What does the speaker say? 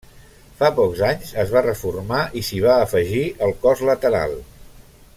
Fa pocs anys es va reformar i s'hi va afegir el cos lateral.